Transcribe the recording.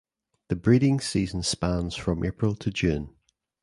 The breeding season spans from April to June.